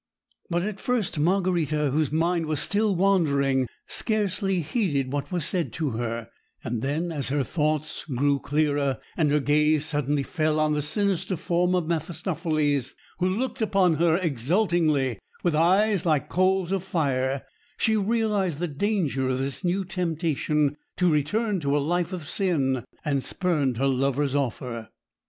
But at first, Margarita, whose mind was still wandering, scarcely heeded what was said to her; and then, as her thoughts grew clearer, and her gaze suddenly fell on the sinister form of Mephistopheles, who looked upon her exultingly with eyes like coals of fire, she realised the danger of this new temptation to return to a life of sin, and spurned her lover's offer.